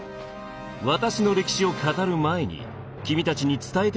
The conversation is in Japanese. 私の歴史を語る前に君たちに伝えておくべきことがある。